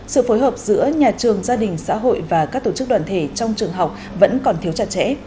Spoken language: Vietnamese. sự phối hợp giữa nhà trường gia đình xã hội và các tổ chức đoàn thể trong trường học vẫn còn thiếu chặt chẽ